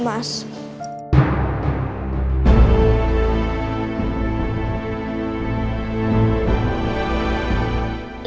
itu kan tante meli